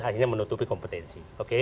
akhirnya menutupi kompetensi